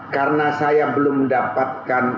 karena saya belum mendapatkan